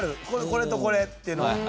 これとこれっていうのは。